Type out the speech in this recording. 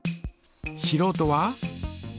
しろうとは？